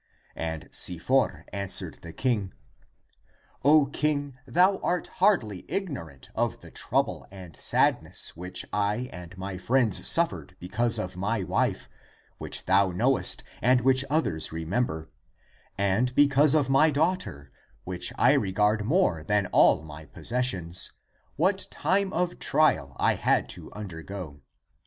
" And Si for answered the king, " O King, thou art hardly ignorant of the trouble and sadness which I and my friends suffered because of my wife, which thou knowest and which others remember, and because of my daughter, which I regard more than all my possessions, what time of trial I had to undergo.